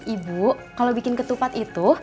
ibu kalau bikin ketupat itu